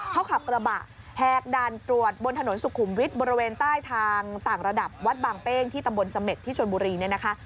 เขาขับกระบะแหกด่านตรวจบนถนนสุขุมวิทย์บริเวณใต้ทางต่างระดับวัดบางเป้งที่ตำบลเสม็ดที่ชนบุรีเนี่ยนะคะ